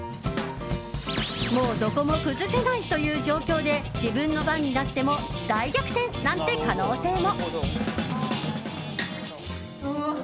もうどこも崩せないという状況で自分の番になっても大逆転なんて可能性も！